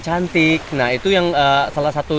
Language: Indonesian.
cantik nah itu yang salah satu